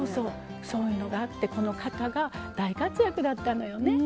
そういうのがあってこの型が大活躍だったのよね。